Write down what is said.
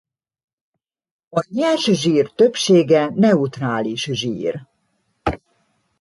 A nyers zsír többsége neutrális zsír.